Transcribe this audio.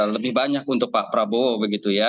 lebih banyak untuk pak prabowo begitu ya